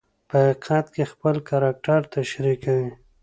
په حقیقت کې خپل کرکټر تشریح کوي.